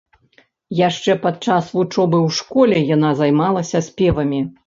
Яшчэ падчас вучобы ў школе яна займалася спевамі.